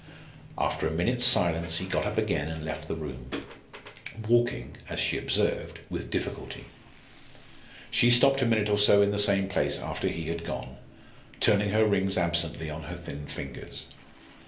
After a minute's silence, he got up again and left the room, walking, as she observed, with difficulty. She stopped a minute or so in the same place after he had gone, turning her rings absently on her thin fingers.